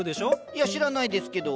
いや知らないですけど。